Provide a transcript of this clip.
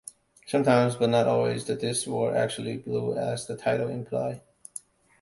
Sometimes, but not always, the disks were actually blue as the title implied.